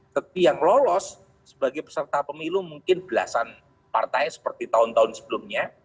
tapi yang lolos sebagai peserta pemilu mungkin belasan partai seperti tahun tahun sebelumnya